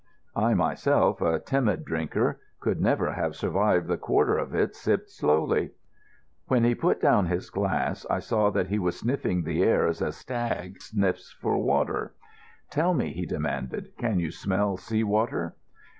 I myself, a timid drinker, could never have survived the quarter of it sipped slowly. When he had put down his glass I saw that he was sniffing the air as a stag sniffs for water. "Tell me," he demanded, "can you smell sea water?"